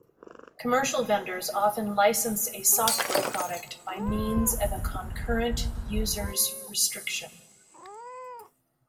Commercial vendors often license a software product by means of a concurrent users restriction.